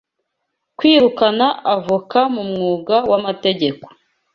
Kwirukana avoka mu mwuga w'amategeko